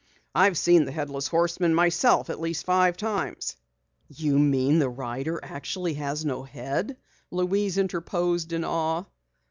"I've seen the Headless Horseman at least five times myself." "You mean the rider actually has no head?" Louise interposed in awe.